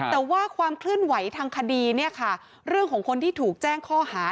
แต่ว่าความเคลื่อนไหวทางคดีเนี่ยค่ะเรื่องของคนที่ถูกแจ้งข้อหา